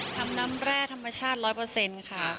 ทำน้ำแร่ธรรมชาติ๑๐๐ค่ะ